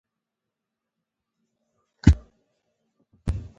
هیواد مې د فرهنګي خزانو کور دی